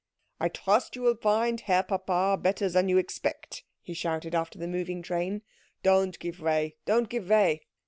"I trust you will find the Herr Papa better than you expect," he shouted after the moving train. "Don't give way don't give way.